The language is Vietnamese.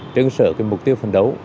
trưng sở mục tiêu phần đấu